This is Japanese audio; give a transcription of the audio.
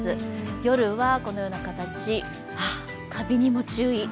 夜はこのような形あっ、カビにも注意。